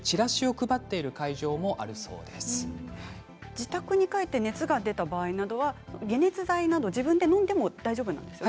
自宅に帰って熱が出た場合などには解熱剤など自分でのんでも大丈夫なんですよね。